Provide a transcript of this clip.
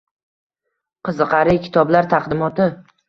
Qiziqarli kitoblar taqdimoti